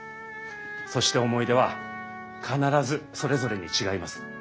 そして思い出は必ずそれぞれに違います。